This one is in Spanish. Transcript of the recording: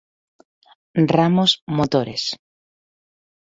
Ramos motores.